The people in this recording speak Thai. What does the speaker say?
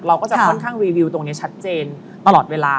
เราก็จะค่อนข้างรีวิวตรงนี้ชัดเจนตลอดเวลา